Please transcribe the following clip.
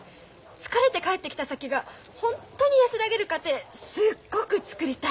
疲れて帰ってきた先がホンットに安らげる家庭すっごく作りたい。